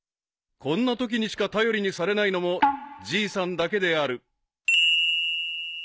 ［こんなときにしか頼りにされないのもじいさんだけである］